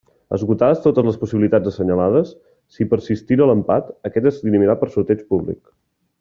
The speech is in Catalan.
Esgotades totes les possibilitats assenyalades, si persistira l'empat, aquest es dirimirà per sorteig públic.